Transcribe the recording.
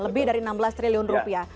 lebih dari enam belas triliun rupiah